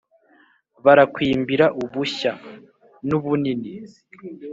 barakwimbira ubushya. nu bunini